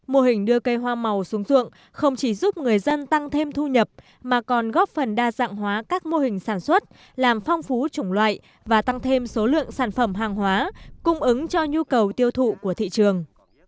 mô hình đưa cây hoa màu xuống ruộng không chỉ giúp người dân tăng thêm thu nhập mà còn góp phần đa dạng hóa các mô hình sản xuất làm phong phú chủng loại và tăng thêm số lượng sản phẩm hàng hóa cung ứng cho nhu cầu tiêu thụ của thị trường